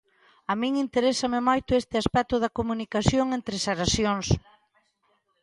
A min interésame moito este aspecto da comunicación entre xeracións.